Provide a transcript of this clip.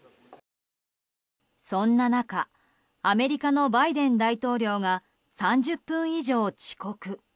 そんな中アメリカのバイデン大統領が３０分以上、遅刻。